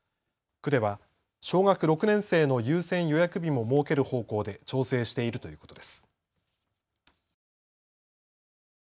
区では、小学６年生の優先予約日も設ける方向で調整しているということです。